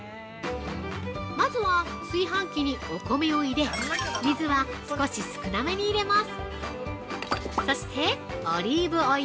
まずは、炊飯器にお米を入れ水は、少し少なめに入れます。